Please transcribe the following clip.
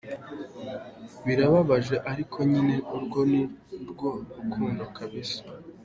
birababaje ariko nyine urwo nirwo rukundo kabisa.